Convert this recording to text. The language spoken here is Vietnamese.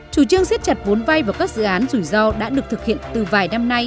chủ trương xếp chặt vốn vay vào các dự án rủi ro đã được thực hiện từ vài năm nay